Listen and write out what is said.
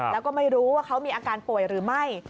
แล้วก็ไม่รู้ว่าเขามีอาการป่วยหรือไม่